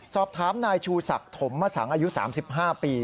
สอบถามนายชูศักดิ์ถมมสังอายุ๓๕ปี